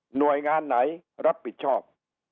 หน่วยงานไหนรับผิดชอบ